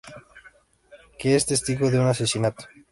Que es testigo de un asesinato.